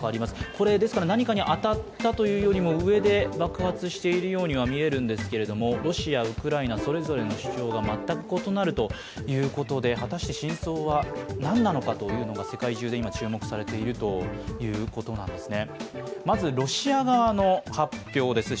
これ、何かに当たったというよりも上で爆発しているようには見えるんですがロシア、ウクライナそれぞれの主張が全く異なるということで果たして、真相は何なのかというのが世界中で今注目されているということなんですね。